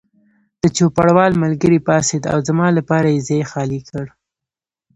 د چوپړوال ملګری پاڅېد او زما لپاره یې ځای خالي کړ.